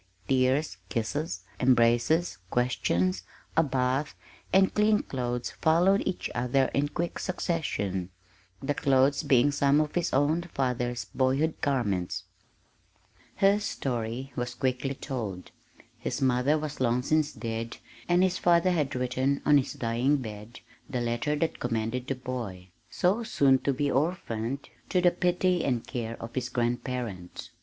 Tears, kisses, embraces, questions, a bath, and clean clothes followed each other in quick succession the clothes being some of his own father's boyhood garments. His story was quickly told. His mother was long since dead, and his father had written on his dying bed the letter that commended the boy so soon to be orphaned to the pity and care of his grandparents.